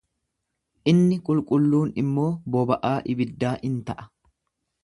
Inni qulqulluun immoo boba'aa ibiddaa in ta'a.